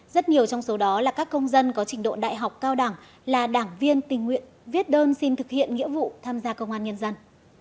rất nhiều trong số đó là các công dân có trình độ đại học cao đẳng là đảng viên tình nguyện viết đơn xin thực hiện nghĩa vụ tham gia công an nhân dân